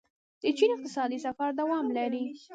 د چین اقتصادي سفر دوام لري.